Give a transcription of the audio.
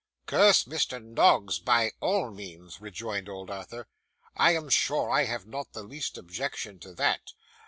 'Curse Mr. Noggs, by all means,' rejoined old Arthur; 'I am sure I have not the least objection to that.